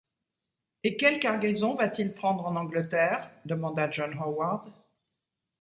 Et quelle cargaison va-t-il prendre en Angleterre ?… demanda John Howard.